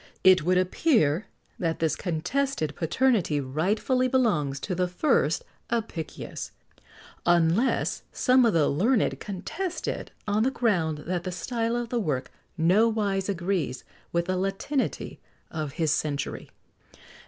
It would appear that this contested paternity rightfully belongs to the first Apicius, unless some of the learned contest it on the ground that the style of the work nowise agrees with the latinity of his century.